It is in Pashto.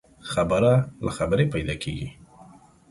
خبره له خبري پيدا کېږي.